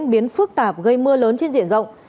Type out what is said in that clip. biến phức tạp gây mưa lớn trên diện rộng